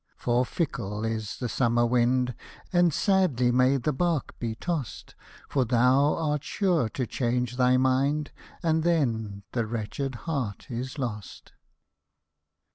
For fickle is the summer wind. And sadly may the bark be tossed ; For thou art sure to change thy mind, And then the wretched heart is lost